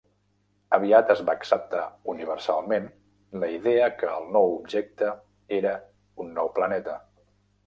Aviat es va acceptar universalment la idea que el nou objecte era un nou planeta.